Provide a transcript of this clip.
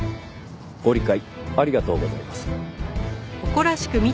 ご理解ありがとうございます。